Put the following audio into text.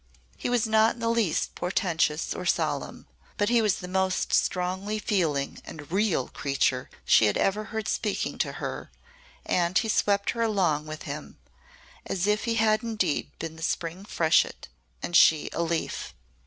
He was not in the least portentous or solemn, but he was the most strongly feeling and real creature she had ever heard speaking to her and he swept her along with him, as if he had indeed been the Spring freshet and she a leaf.